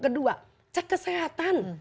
kedua cek kesehatan